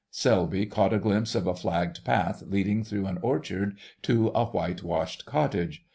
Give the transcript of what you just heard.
Selby caught a glimpse of a flagged path leading through an orchard to a whitewashed cottage.